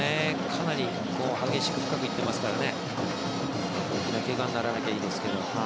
かなり激しく深くいっていますからけがにならなければいいですけど。